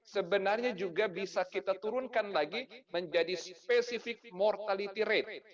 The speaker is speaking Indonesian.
sebenarnya juga bisa kita turunkan lagi menjadi spesifik mortality rate